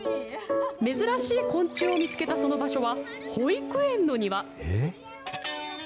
珍しい昆虫を見つけたその場所は、保育園の庭。